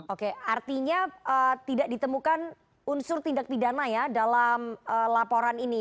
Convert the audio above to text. oke artinya tidak ditemukan unsur tindak pidana ya dalam laporan ini